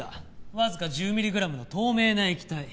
わずか１０ミリグラムの透明な液体。